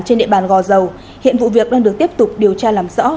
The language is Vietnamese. trên địa bàn gò dầu hiện vụ việc đang được tiếp tục điều tra làm rõ